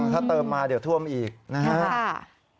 ถ้าเติมมาเดี๋ยวถ้วมอีกน่าผิวอ๋อ